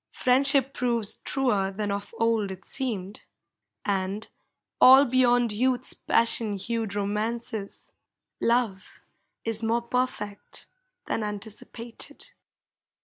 Friendship proves truer than of old it seemed, And, all beyond youth's passion hued romances, Love is more perfect than anticipated.